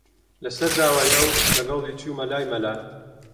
لەسەر داوای ئەو، لەگەڵی چوومە لای مەلا